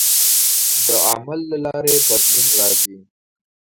د عمل له لارې بدلون راځي.